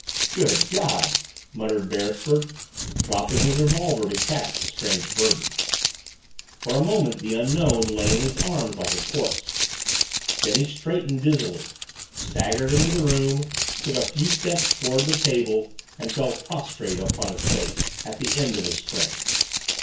"Good God!" muttered Beresford, dropping his revolver to catch the strange burden. For a moment the Unknown lay in his arms like a corpse. Then he straightened dizzily, staggered into the room, took a few steps toward the table, and fell prostrate upon his face at the end of his strength.